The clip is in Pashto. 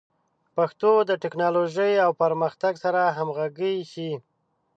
پښتو د ټکنالوژۍ او پرمختګ سره همغږي شي.